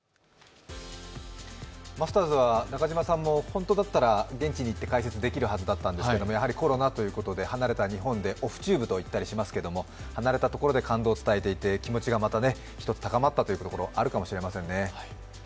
マスターズは中嶋さんも、本当は現地に行って解説できるはずだったんですけれども、コロナということで離れた日本で離れたところで感動を伝えていて、気持ちがまた高まったというところあるかもしれませんね。